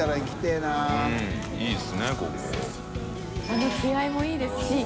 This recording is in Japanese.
あの気合もいいですし。